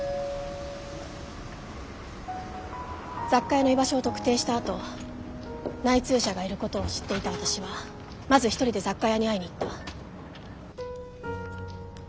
雑貨屋の場所を特定したあと内通者がいることを知っていた私はまず１人で雑貨屋に会いに行った。